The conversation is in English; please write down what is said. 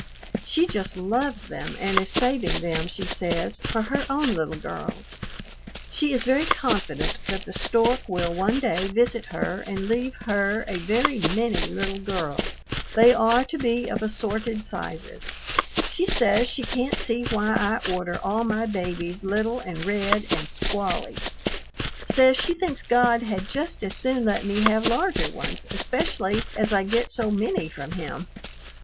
She just loves them and is saving them, she says, for her own little girls. She is very confident that the stork will one day visit her and leave her a "very many" little girls. They are to be of assorted sizes. She says she can't see why I order all my babies little and red and squally, says she thinks God had just as soon let me have larger ones, especially as I get so many from him.